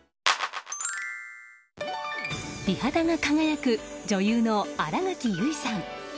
美肌が輝く女優の新垣結衣さん。